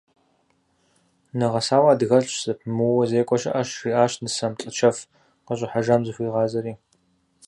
Нэгъэсауэ адыгэлӏщ, зэпымыууэ зекӏуэ щыӏэщ, жиӏащ нысэм, лӏы чэф къыщӏыхьэжам зыхуигъазри.